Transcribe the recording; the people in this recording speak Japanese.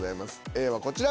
Ａはこちら。